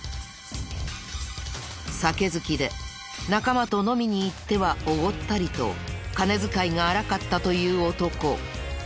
酒好きで仲間と飲みに行ってはおごったりと金遣いが荒かったという男。